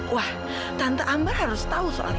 wah tante ambar harus tahu soal